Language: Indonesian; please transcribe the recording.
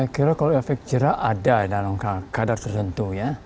saya kira kalau efek jerah ada dalam kadar tertentu ya